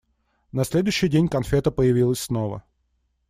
На следующий день конфета появилась снова.